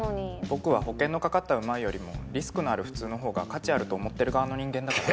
僕は保険のかかったうまいよりもリスクのある普通の方が価値あると思ってる側の人間だから。